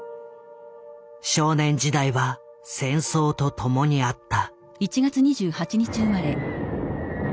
少年時代は戦争とともにあった。